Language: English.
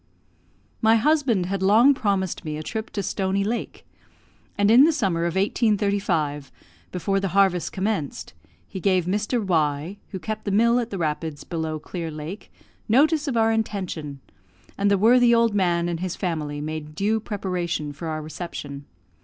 My husband had long promised me a trip to Stony Lake, and in the summer of 1835, before the harvest commenced, he gave Mr. Y , who kept the mill at the rapids below Clear Lake, notice of our intention, and the worthy old man and his family made due preparation for our reception.